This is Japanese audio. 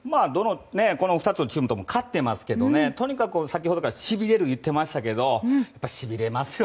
２つのチームとも勝ってますけどねとにかく先ほどからしびれると言っていましたがしびれますよ